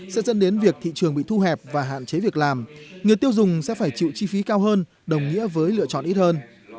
sẽ dẫn đến việc thị trường bị thu hẹp và hạn chế việc làm người tiêu dùng sẽ phải chịu chi phí cao hơn đồng nghĩa với lựa chọn ít hơn